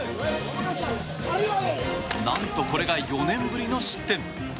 何と、これが４年ぶりの失点。